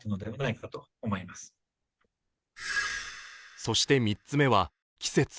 そして３つ目は季節。